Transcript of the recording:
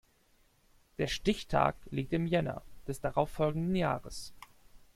Der Stichtag liegt im Jänner des darauf folgenden Jahres.